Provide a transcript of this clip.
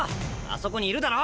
あそこにいるだろ！